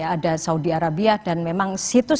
ada saudi arabia dan memang situs